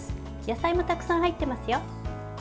野菜もたくさん入ってますよ。